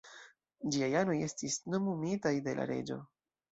Ĝiaj anoj estis nomumitaj de la reĝo.